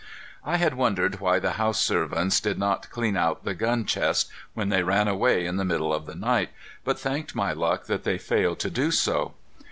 I had wondered why the house servants did not clean out the gun chest when they ran away in the middle of the night, but thanked my luck that they failed to do so.